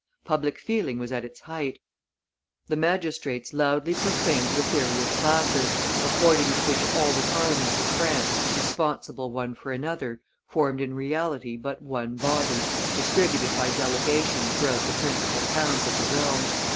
Public feeling was at its height; the magistrates loudly proclaimed the theory of Classes, according to which all the Parliaments of France, responsible one for another, formed in reality but one body, distributed by delegation throughout the principal towns of the realm.